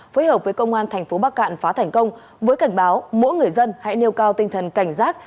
phối hợp với công an thành phố bắc cạn phá thành công với cảnh báo mỗi người dân hãy nêu cao tinh thần cảnh giác